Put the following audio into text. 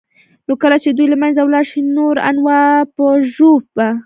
نو كله چي دوى له منځه ولاړ شي نور انواع د ژوو به